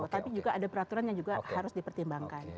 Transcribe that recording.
tapi juga ada peraturan yang juga harus dipertimbangkan